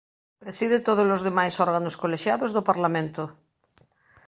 Preside todos os demais órganos colexiados do Parlamento.